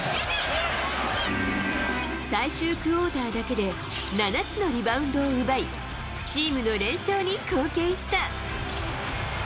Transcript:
最終クオーターだけで７つのリバウンドを奪い、チームの連勝に貢献した。